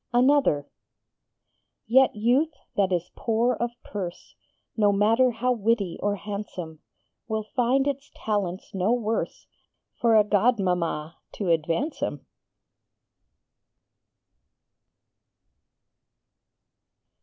_ ANOTHER Yet youth that is poor of purse, No matter how witty or handsome, Will find its talents no worse _For a godmamma to advance 'em.